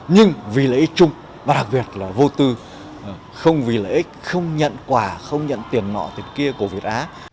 nhưng vì lợi ích chung và đặc biệt là vô tư không vì lợi ích không nhận quà không nhận tiền nọ từ kia của việt á